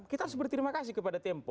kita harus berterima kasih kepada tempo